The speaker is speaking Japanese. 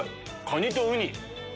カニとウニ！